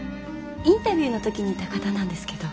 インタビューの時にいた方なんですけど。